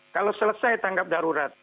kalau selesai tanggap darurat